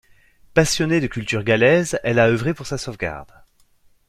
Passionnée de culture gallèse, elle a œuvré pour sa sauvegarde.